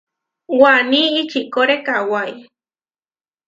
Waní čikóre kawái.